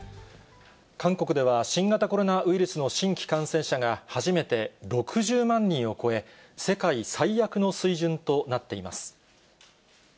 韓国では、新型コロナウイルスの新規感染者が、初めて６０万人を超え、世界最悪の水準となっています。